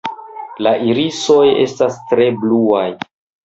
La irisoj estas tre bluaj.